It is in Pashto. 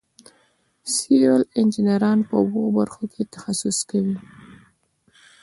سیول انجینران په اوو برخو کې تخصص کوي.